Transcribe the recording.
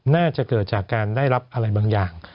น่าจะเกิดจากการได้รับอะไรบางอย่าง